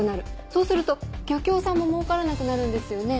そうすると漁協さんも儲からなくなるんですよね？